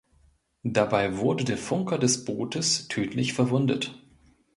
Dabei wurde der Funker des Bootes tödlich verwundet.